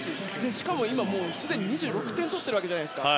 しかも、すでに２６点取っているわけじゃないですか。